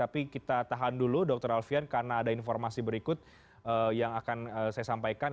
tapi kita tahan dulu dr alfian karena ada informasi berikut yang akan saya sampaikan